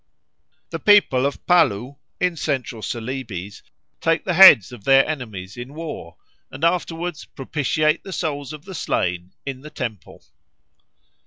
The people of Paloo in Central Celebes take the heads of their enemies in war and afterwards propitiate the souls of the slain in the temple.